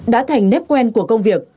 đã thành nếp quen của công việc